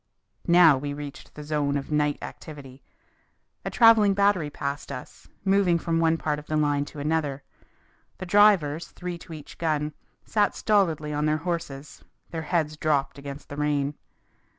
Now we reached the zone of night activity. A travelling battery passed us, moving from one part of the line to another; the drivers, three to each gun, sat stolidly on their horses, their heads dropped against the rain.